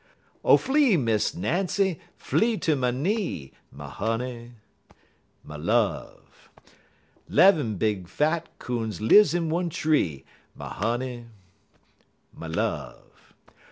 _ _Oh, flee, Miss Nancy, flee ter my knee, My honey, my love! 'Lev'm big fat coons lives in one tree, My honey, my love!